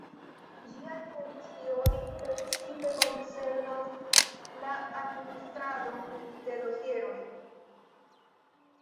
Ĝiaj funkcioj precipe koncernas la administradon de dosieroj.